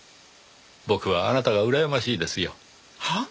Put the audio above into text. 僕はあなたがうらやましいですよ。はあ？